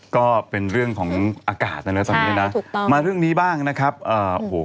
ก็เป็นเรื่องของอากาศนะเลยตอนนี้นะมาเรื่องนี้บ้างนะครับโอ้โฮ